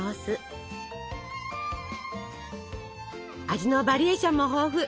味のバリエーションも豊富。